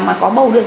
mà có bầu được